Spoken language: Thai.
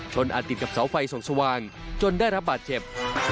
อาจติดกับเสาไฟส่องสว่างจนได้รับบาดเจ็บ